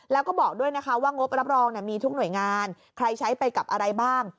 แล้วก็บอกด้วยนะคะว่างบรับรองมีทุกหน่วยงานใครใช้ไปกับอะไรบ้าง